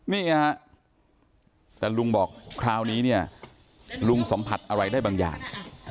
นี่ฮะแต่ลุงบอกคราวนี้เนี่ยลุงสัมผัสอะไรได้บางอย่าง